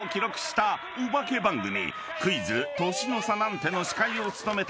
『クイズ！年の差なんて』の司会を務めた山田邦子］